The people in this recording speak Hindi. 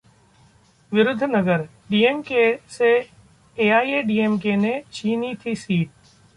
विरुद्धनगर: डीएमके से एआईएडीएमके ने छीनी थी सीट